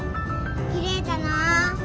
きれいだな。